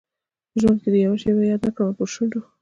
په ژوند کي دي یوه شېبه یاد نه کړمه پر شونډو